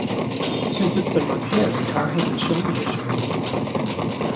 Since it's been repaired, the car hasn't shown the issue any more.